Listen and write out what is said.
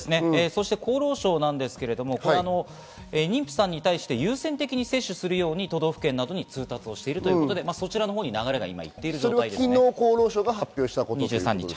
厚労省なんですが、妊婦さんに対して優先的に接種するように都道府県などに通達しているということで、そちらのほうに流れが行っているということです。